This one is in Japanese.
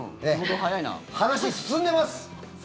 話進んでます！